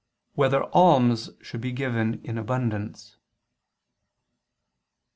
10] Whether Alms Should Be Given in Abundance?